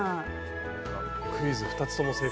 クイズ２つとも正解。